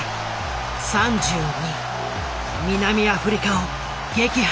南アフリカを撃破。